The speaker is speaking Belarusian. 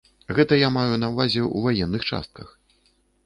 Гэта я маю на ўвазе ў ваенных частках.